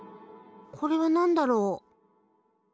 これは何だろう？